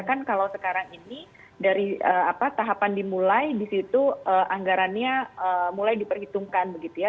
kan kalau sekarang ini dari tahapan dimulai di situ anggarannya mulai diperhitungkan begitu ya